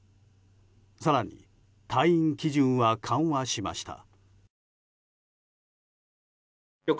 更に退院基準は緩和しました。